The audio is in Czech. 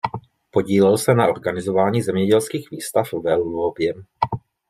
Podílel se na organizování zemědělských výstav ve Lvově.